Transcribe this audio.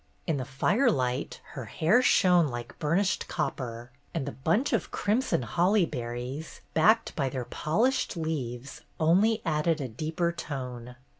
In the firelight, her hair shone like burnished copper, and the bunch of crimson holly berries, backed by their polished leaves, only added a deeper tone.